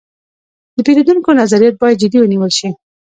د پیرودونکو نظریات باید جدي ونیول شي.